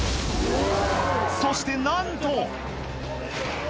そしてなんと！